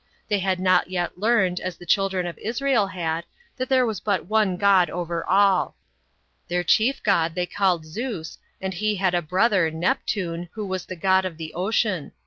They had not yet learnt, as the children of Israel haJ, that there was but one God over all. Their chief god they called Zeus, and he had a brother, Neptune, who was the god of the ocean.